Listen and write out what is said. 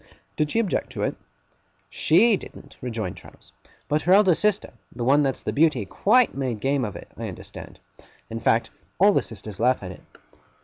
'Did she object to it?' 'SHE didn't,' rejoined Traddles; 'but her eldest sister the one that's the Beauty quite made game of it, I understand. In fact, all the sisters laugh at it.